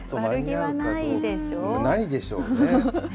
ないでしょうね。